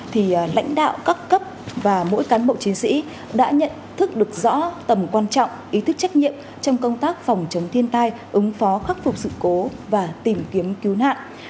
thì lãnh đạo các cấp và mỗi cán bộ chiến sĩ đã nhận thức được rõ tầm quan trọng ý thức trách nhiệm trong công tác phòng chống thiên tai ứng phó khắc phục sự cố và tìm kiếm cứu nạn